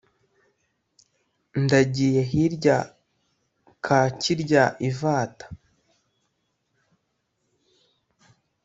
ndagiye hirya kakirya ivata